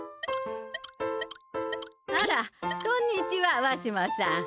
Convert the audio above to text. あらこんにちはわしもさん。